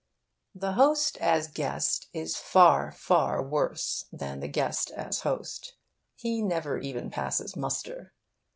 The host as guest is far, far worse than the guest as host. He never even passes muster.